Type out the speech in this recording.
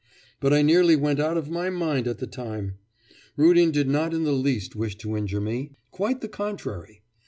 But I nearly went out of my mind at the time. Rudin did not in the least wish to injure me quite the contrary!